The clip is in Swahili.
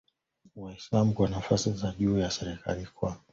Waislamu kwa nafasi za juu za serikali kwa